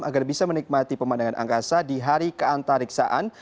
agar bisa menikmati pemandangan angkasa di hari keantariksaan